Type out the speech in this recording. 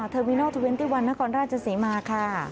เทอร์วินัล๒๑นครราชสีมาค่ะ